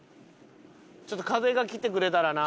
ちょっと風がきてくれたらな。